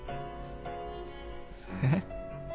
えっ？